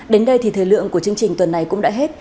đến đây thì thời lượng của chương trình tuần này cũng đã hết